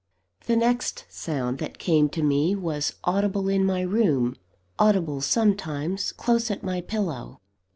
The next sound that came to me was audible in my room; audible sometimes, close at my pillow.